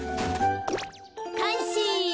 かんせい！